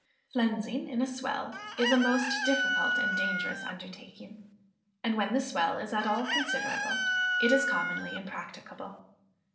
Flensing in a swell is a most difficult and dangerous undertaking; and when the swell is at all considerable, it is commonly impracticable.